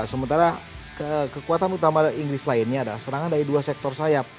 sementara kekuatan utama inggris lainnya adalah serangan dari dua sektor sayap